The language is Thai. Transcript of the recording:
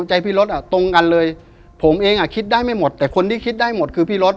ใจพี่รถอ่ะตรงกันเลยผมเองอ่ะคิดได้ไม่หมดแต่คนที่คิดได้หมดคือพี่รถ